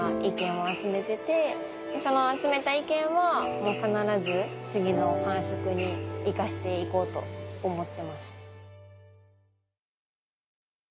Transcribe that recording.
その集めた意見は必ず次の繁殖に生かしていこうと思ってます。